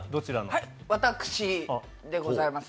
はい私でございます。